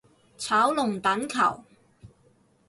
炒龍躉球